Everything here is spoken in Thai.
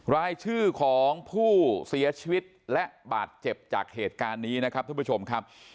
รายชื่อของผู้เสียชีวิตและบาดเจ็บจากเหตุการณ์นี้นะครับท่านผู้ชมครับ